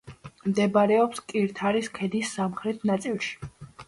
მდებარეობს კირთარის ქედის სამხრეთ ნაწილში.